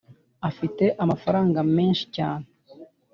Afite amafaranga menshi cyane?